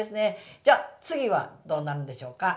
じゃ次はどうなるんでしょうか？